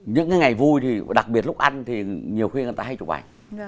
những cái ngày vui thì đặc biệt lúc ăn thì nhiều khi người ta hay chụp ảnh